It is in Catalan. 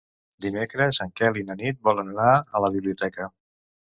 Dimecres en Quel i na Nit volen anar a la biblioteca.